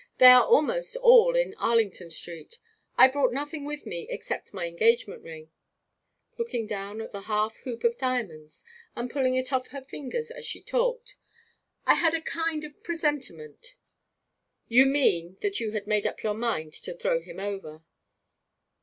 They are almost all in Arlington Street. I brought nothing with me except my engagement ring,' looking down at the half hoop of diamonds, and pulling it off her fingers as she talked. 'I had a kind of presentiment ' 'You mean that you had made up your mind to throw him over.'